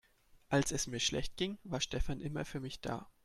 Als es mir schlecht ging, war Stefan immer für mich da.